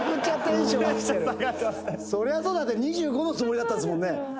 「そりゃそうだって２５のつもりだったんですもんね」